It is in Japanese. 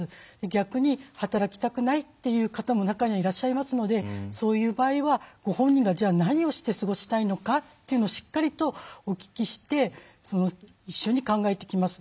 逆に働きたくないっていう方も中にはいらっしゃいますのでそういう場合はご本人が何をして過ごしたいのかっていうのをしっかりとお聞きして一緒に考えていきます。